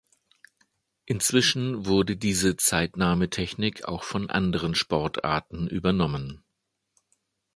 Inzwischen wurde diese Zeitnahme-Technik auch von anderen Sportarten übernommen.